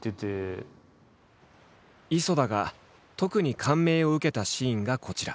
磯田が特に感銘を受けたシーンがこちら。